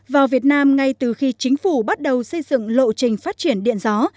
vào việt nam ngay từ khi chính phủ bắt đầu xây dựng lộ trình phát triển điện gió